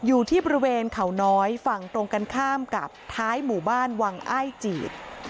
อยู่ที่บริเวณเขาน้อยฝั่งตรงกันข้ามกับท้ายหมู่บ้านวังอ้ายจีด